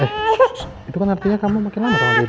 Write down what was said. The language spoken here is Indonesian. eh itu kan artinya kamu makin lama sama dedy